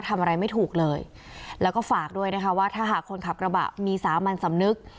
ทำอะไรไม่ถูกเลยแล้วก็ฝากด้วยนะคะว่าถ้าหากคนขับกระบะมีสามัญสำนึก